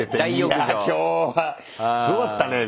いや今日はすごかったねみたいな。